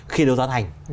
khi đấu giá thành